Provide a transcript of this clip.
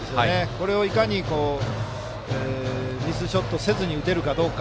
これをいかにミスショットせずに打てるかどうか。